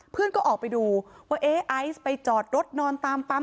เพื่อนก็ออกไปดูว่าเอ๊ไอซ์ไปจอดรถนอนตามปั๊ม